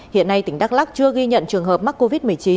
hiện nay tỉnh đắk lắc chưa ghi nhận trường hợp mắc covid một mươi chín